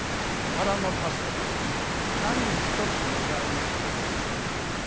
腹の立つことなんて何一つございません。